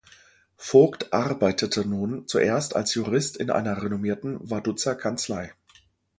Vogt arbeitete nun zuerst als Jurist in einer renommierten Vaduzer Kanzlei.